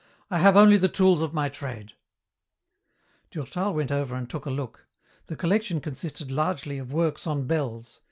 I have only the tools of my trade." Durtal went over and took a look. The collection consisted largely of works on bells.